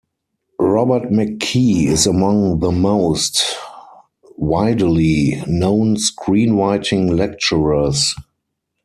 Robert McKee is among the most widely known screenwriting lecturers.